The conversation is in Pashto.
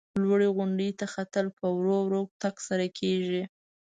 لوړې غونډۍ ته ختل په ورو ورو تگ سره کیږي.